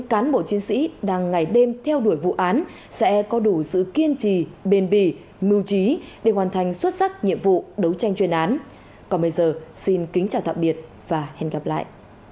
cảm ơn các bạn đã theo dõi và hẹn gặp lại